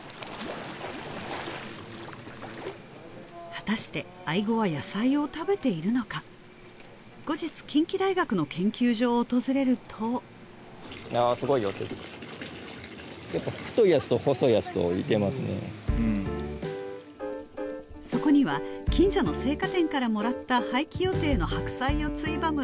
果たしてアイゴは野菜を食べているのか後日近畿大学の研究所を訪れるとそこには近所の青果店からもらった廃棄予定の白菜をついばむ